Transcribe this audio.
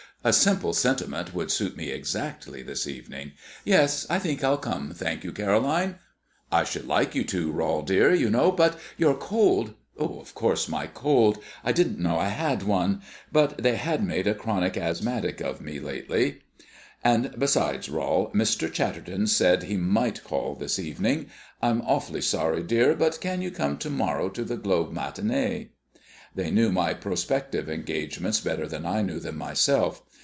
"A simple sentiment would suit me exactly this evening. Yes, I think I'll come, thank you, Caroline." "I should like you to, Rol, dear, you know; but your cold " Of course, my cold; I didn't know I had one, but they had made a chronic asthmatic of me lately. "And besides, Rol, Mr. Chatterton said he might call this evening. I'm awfully sorry, dear; but can you come to morrow to the Globe matinée?" They knew my prospective engagements better than I knew them myself.